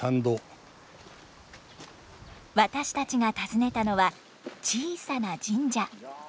私たちが訪ねたのは小さな神社。